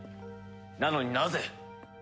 なのになぜ！？